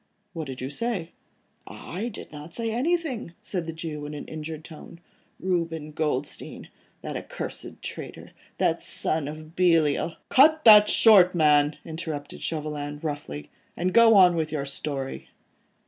"What did you say?" "I did not say anything," said the Jew in an injured tone, "Reuben Goldstein, that accursed traitor, that son of Belial ..." "Cut that short, man," interrupted Chauvelin, roughly, "and go on with your story."